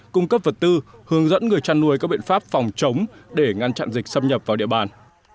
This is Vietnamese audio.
cung cấp vật tư hướng dẫn người chăn nuôi các biện pháp phòng chống để ngăn chặn dịch xâm nhập vào địa bàn